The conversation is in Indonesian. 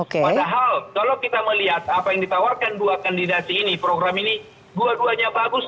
padahal kalau kita melihat apa yang ditawarkan dua kandidasi ini program ini dua duanya bagus